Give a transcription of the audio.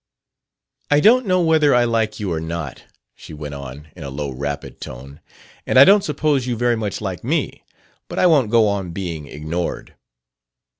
"I don't know whether I like you or not," she went on, in a low, rapid tone; "and I don't suppose you very much like me; but I won't go on being ignored....